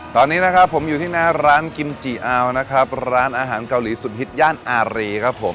ตอนนี้นะครับผมอยู่ที่หน้าร้านกิมจิอาวนะครับร้านอาหารเกาหลีสุดฮิตย่านอารีครับผม